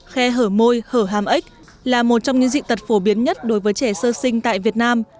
khe hở môi hở hàm ếch là một trong những dị tật phổ biến nhất đối với trẻ sơ sinh tại việt nam